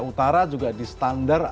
utara juga di standar